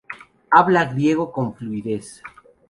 Habla griego con fluidez.